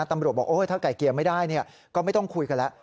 ตำรวจบอกถ้าไก่เกลี่ยไม่ได้ก็ไม่ต้องคุยกันแล้ว